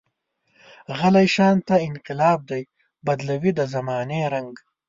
غلی شانته انقلاب دی، بدلوي د زمانې رنګ.